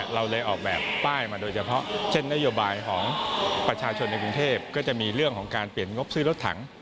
เราเลยออกแบบป้ายมาโดยเฉพาะเช่นนโยบายของประชาชนในกรุงเทพก็จะมีเรื่องของการเปลี่ยนงบซื้อรถถัง